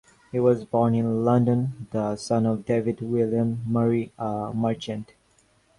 He was born in London the son of David William Murray, a merchant.